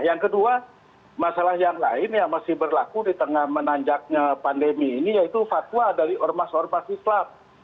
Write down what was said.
yang kedua masalah yang lain yang masih berlaku di tengah menanjaknya pandemi ini yaitu fatwa dari ormas ormas islam